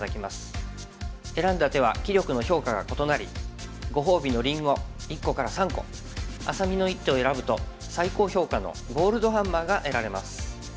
選んだ手は棋力の評価が異なりご褒美のりんご１個から３個愛咲美の一手を選ぶと最高評価のゴールドハンマーが得られます。